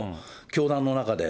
教団の中で。